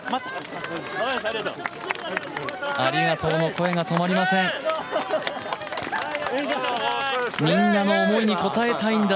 ありがとうの声が止まりません。